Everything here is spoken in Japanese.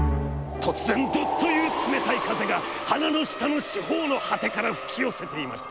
突然どッという冷めたい風が花の下の四方の涯から吹きよせていました。